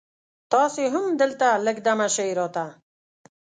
تاسو هم دلته لږ دمه شي را ته